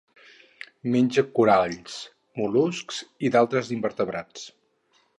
Menja coralls, mol·luscs i d'altres invertebrats.